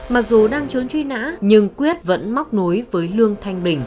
mặc dù đang trốn truy nã nhưng quyết vẫn móc nối với lương thanh bình